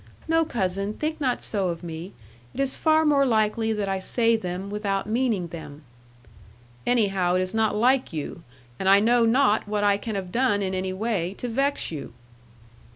'No, cousin, think not so of me. It is far more likely that I say them, without meaning them.' 'Anyhow, it is not like you. And I know not what I can have done in any way, to vex you.'